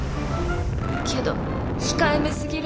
けど控えめすぎる。